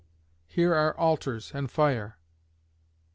here are altars and fire."